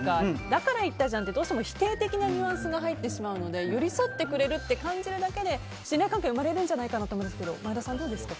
だから言ったじゃんってどうしても否定的なニュアンスが入ってしまうので寄り添ってくれるって感じるだけで、信頼関係が生まれるんじゃないかと思うんですけど前田さん、いかがですか。